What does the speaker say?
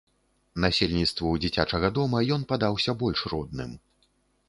Насельніцтву дзіцячага дома ён падаўся больш родным.